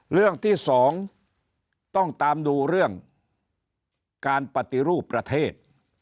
เรื่องที่สองต้องตามดูเรื่องการปฏิรูปประเทศ